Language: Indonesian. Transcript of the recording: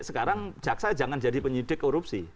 saya jangan jadi penyidik korupsi